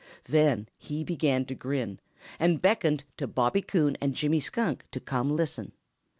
Then he began to grin and beckoned to Bobby Coon and Jimmy Skunk to come listen.